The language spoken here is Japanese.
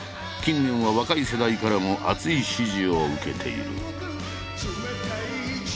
近年は若い世代からも熱い支持を受けている。